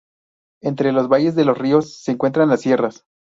Entre los valles de los ríos, se encuentran las sierras.